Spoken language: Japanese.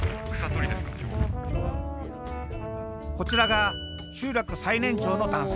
こちらが集落最年長の男性。